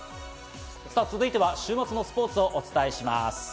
続いては週末のスポーツをお伝えします。